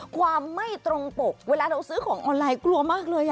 ความไม่ตรงปกเวลาเราซื้อของออนไลน์กลัวมากเลย